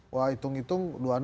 wah hitung hitung dua puluh enam